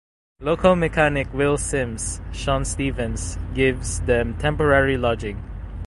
Local mechanic Will Simms (Shawn Stevens) gives them temporary lodging.